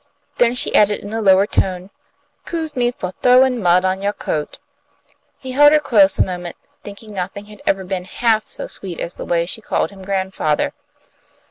Then she added, in a lower tone, "'Kuse me fo' throwin' mud on yo' coat." He held her close a moment, thinking nothing had ever before been half so sweet as the way she called him grandfather.